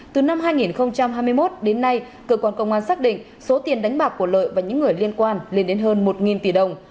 từ năm hai nghìn hai mươi một đến nay cơ quan công an xác định số tiền đánh bạc của lợi và những người liên quan lên đến hơn một tỷ đồng